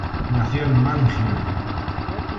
Nació en Mannheim.